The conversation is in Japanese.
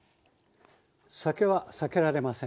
酒は「さけ」られません。